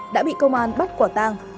đã bị công an bắt quả tang